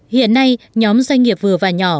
hiện nay nhóm doanh nghiệp vừa và nhỏ